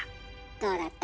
どうだった？